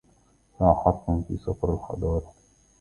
لا حرف في سفر الحضارهْ!